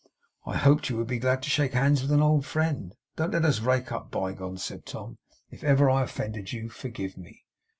'I hoped you would be glad to shake hands with an old friend. Don't let us rake up bygones,' said Tom. 'If I ever offended you, forgive me.